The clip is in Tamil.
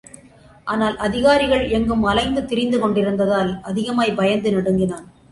ஆனால் அதிகாரிகள் எங்கும் அலைந்து திரிந்துக் கொண்டிருந்ததால் அதிகமாய் பயந்து நடுங்கினான்.